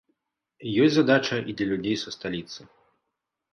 Ёсць задача і для людзей са сталіцы.